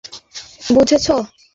জায়গাটা বিপজ্জনক, বুঝেছ?